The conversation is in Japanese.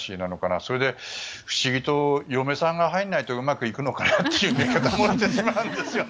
それで、不思議と嫁さんが入らないとうまくいくのかなと思ってしまうんですね。